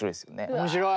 面白い！